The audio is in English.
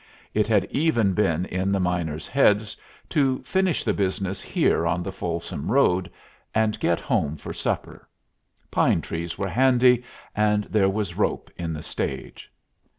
It had even been in the miners' heads to finish the business here on the Folsom road, and get home for supper; pine trees were handy, and there was rope in the stage.